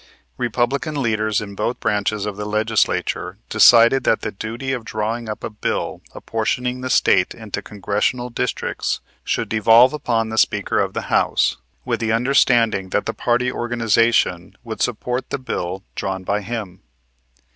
Republican leaders in both branches of the Legislature decided that the duty of drawing up a bill apportioning the State into Congressional Districts should devolve upon the Speaker of the House, with the understanding that the party organization would support the bill drawn by him.